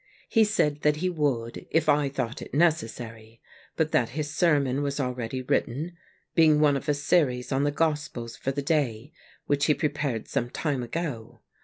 He said that he would if I thought it necessary, but that his sermon was already written, being one of a series on the Gospels for the day, which he prepared some time ago.